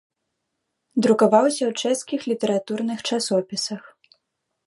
Друкаваўся ў чэшскіх літаратурных часопісах.